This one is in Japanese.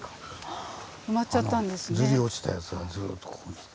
あのずり落ちたやつがずっとここに来て。